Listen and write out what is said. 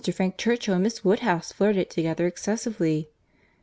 Frank Churchill and Miss Woodhouse flirted together excessively."